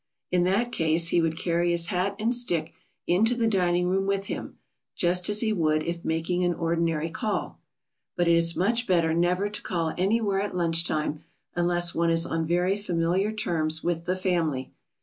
In that case he would carry his hat and stick into the dining room with him, just as he would if making an ordinary call. But it is much better never to call anywhere at lunch time unless one is on very familiar terms with the family.